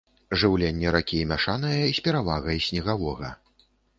Жыўленне ракі мяшанае з перавагай снегавога.